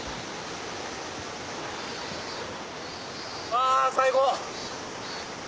あ最高！